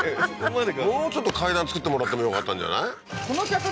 もうちょっと階段造ってもらってもよかったんじゃない？